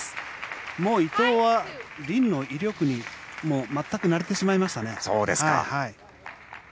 もう伊藤はリンの威力に全く慣れてしまいましたね。